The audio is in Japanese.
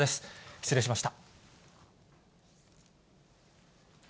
失礼しました。